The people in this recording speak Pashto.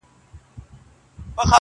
ډېر هوښیار وو د خپل کسب زورور وو!!